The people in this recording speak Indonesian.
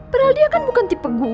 padahal dia kan bukan tipe gue